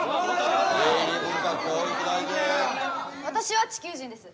私は地球人です。